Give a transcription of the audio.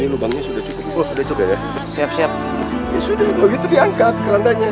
ini lubangnya sudah cukup sudah siap siap itu diangkat